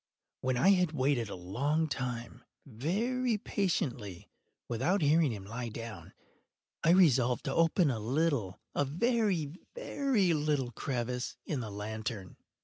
When I had waited a long time, very patiently, without hearing him lie down, I resolved to open a little—a very, very little crevice in the lantern.